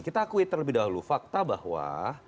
kita akui terlebih dahulu fakta bahwa